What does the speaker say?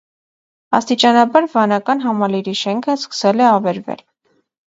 Աստիճանաբար վանական համալիրի շենքը սկսել է ավերվել։